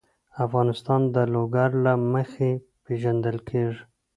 افغانستان د لوگر له مخې پېژندل کېږي.